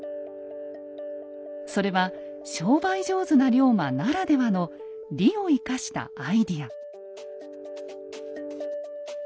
それは商売上手な龍馬ならではの「利」を生かしたアイデア。